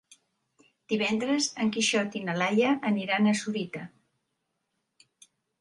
Divendres en Quixot i na Laia aniran a Sorita.